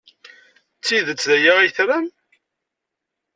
D tidet d aya ay tram?